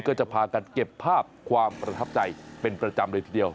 ก็จะพากันเก็บภาพความประทับใจเป็นประจำเลยทีเดียว